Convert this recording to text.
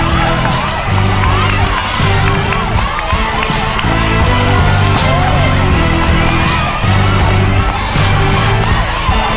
แก้วที่หยุดผ่านไปแล้วครับคุณหยุดครับ